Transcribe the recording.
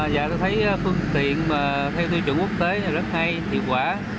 dạ tôi thấy phương tiện theo tiêu chuẩn quốc tế rất hay thiệu quả